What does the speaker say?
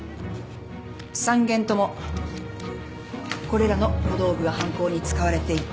３件ともこれらの小道具が犯行に使われていた。